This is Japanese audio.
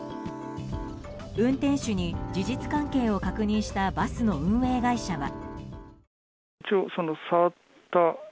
運転手に事実関係を確認したバスの運営会社は。